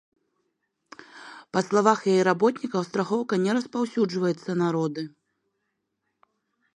Па словах яе работнікаў, страхоўка не распаўсюджваецца на роды.